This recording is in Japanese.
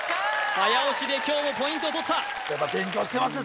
早押しで今日もポイントをとったやっぱ勉強してますね